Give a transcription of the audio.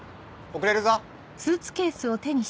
遅れるぞ。